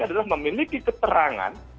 adalah memiliki keterangan